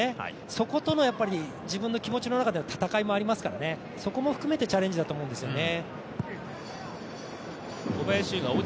そことの自分の気持ちの中での闘いもありますから、そこも含めてチャレンジだと思うんですよね。